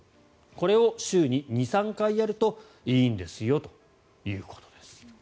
これを週に２３回やるといいんですよということです。